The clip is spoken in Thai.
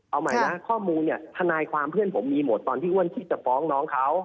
เอาใหม่นะข้อมูลเนี่ยทนายความเพื่อนผมมีหมดตอนที่อ้วนที่จะฟ้องน้องเขา